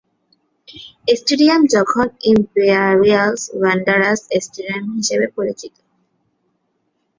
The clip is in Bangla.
স্টেডিয়াম এখন ইম্পেরিয়াল ওয়ান্ডারার্স স্টেডিয়াম হিসাবে পরিচিত।